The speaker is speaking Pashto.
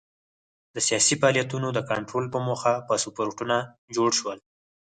د سیاسي فعالیتونو د کنټرول په موخه پاسپورټونه جوړ شول.